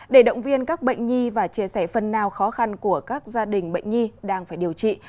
để động viên các bệnh nhi và chia sẻ phần nào khó khăn của các gia đình bệnh nhi đang phải điều trị